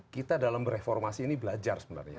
kita dalam bereformasi ini belajar sebenarnya